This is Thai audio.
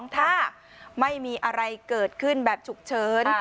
ถ้าไม่มีอะไรเกิดขึ้นแบบฉุกเฉิน